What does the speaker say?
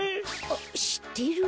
あっしってる？